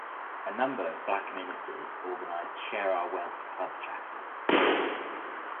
A number of black ministers organized Share Our Wealth club chapters.